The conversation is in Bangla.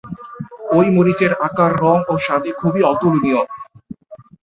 ঐ মরিচের আকার, রং ও স্বাদে খুবই অতুলনীয়।